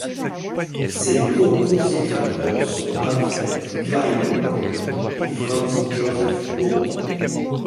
Ses coconsécrateurs sont Alfred Kleinermeilert et Franz-Josef Bode.